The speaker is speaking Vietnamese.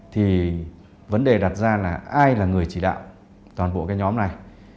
thì vấn đề đặt ra là ai là người chỉ đạo toàn bộ cái nhóm này